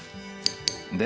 で？